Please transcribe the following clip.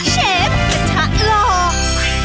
เชฟกระทะหลอก